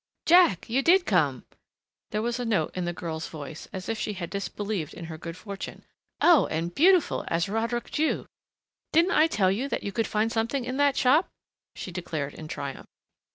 "Jack! You did come!" There was a note in the girl's voice as if she had disbelieved in her good fortune. "Oh, and beautiful as Roderick Dhu! Didn't I tell you that you could find something in that shop?" she declared in triumph.